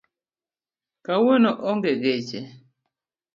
Kawuono onge geche